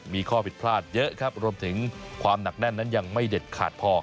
มีข้อผิดพลาดเยอะครับรวมถึงความหนักแน่นนั้นยังไม่เด็ดขาดพอ